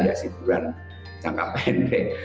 sejajar bulan jangka pendek